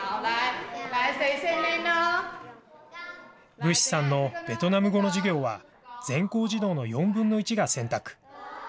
武氏さんのベトナム語の授業は全校児童の４分の１が選択。